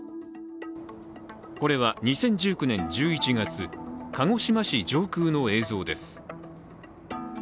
これは２０１９年１１月鹿児島市上空の映像です。